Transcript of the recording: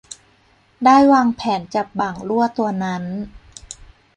ได้วางแผนจับบ่างลั่วตัวนั้น